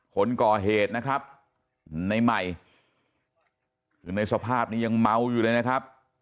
คนก่อเหตุนะครับในใหม่คือในสภาพนี้ยังเมาอยู่เลยนะครับ